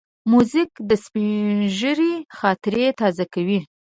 موزیک د سپینږیري خاطرې تازه کوي.